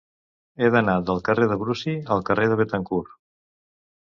He d'anar del carrer de Brusi al carrer de Béthencourt.